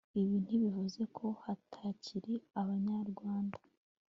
ibi ntibivuze ko hatakiri abanyarwanda